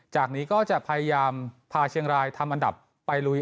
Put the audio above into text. จากนี้ก็จะพยายามพาเชียงรายทำอันดับไปลุย